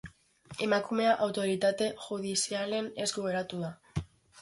Emakumea autoritate judizialen esku geratu da.